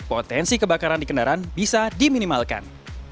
potensi kebakaran di kendaraan bisa diminimalkan